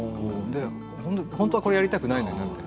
本当はこれやりたくないねみたいな。